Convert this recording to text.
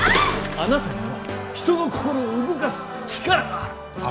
あなたには人の心を動かす力がある！